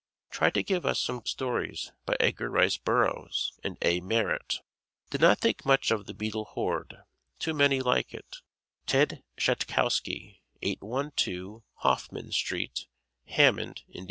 Try to give us some stories by Edgar Rice Burroughs and A. Merritt. Did not think much of "The Beetle Horde" too many like it Ted Shatkowski, 812 Hoffman St., Hammond, Ind.